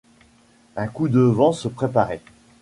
Un coup de vent se préparait.